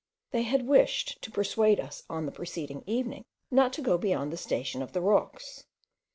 They had wished to persuade us on the preceding evening not to go beyond the station of the rocks.